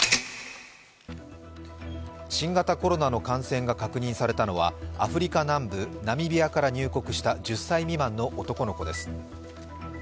新型コロナの感染が確認されたのはアフリカ南部、ナミビアから入国した１０歳未満の男の子です。